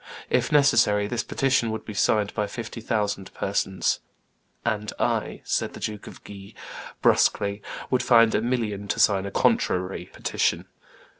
If necessary, this petition would be signed by fifty thousand persons." "And I," said the Duke of Guise brusquely, "would find a million to sign a contrary petition."